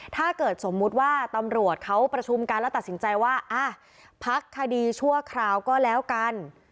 ถ้าเกิดสมมุติว่าตำรวจเขาประชุมกันแล้วตัดสินใจว่าพักคดีชั่วคราวก็แล้วกัน